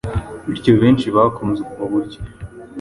bityo benshi bakunze ubwo buryo